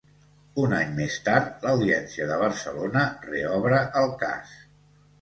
Un any més tard, l'Audiència de Barcelona reobre el cas.